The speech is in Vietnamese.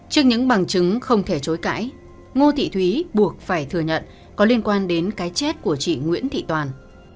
trước những bằng chứng không thể chối cãi ngô thị thúy buộc phải thừa nhận có liên quan đến cái chết của chị nguyễn thị toàn